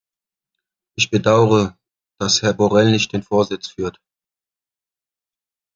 Ich bedauere, dass Herr Borrell nicht den Vorsitz führt.